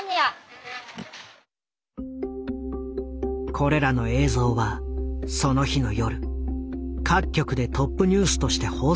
これらの映像はその日の夜各局でトップニュースとして放送されている。